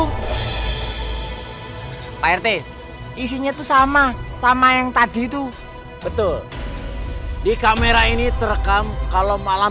hai pak rt isinya tuh sama sama yang tadi itu betul di kamera ini terekam kalau malam